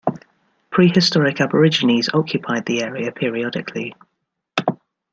Prehistoric aborigines occupied the area periodically.